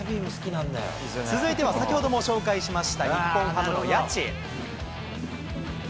続いては、先ほども紹介しました日本ハムの谷内。